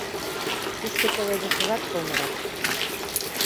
Тушто пеледышыжат сылнырак.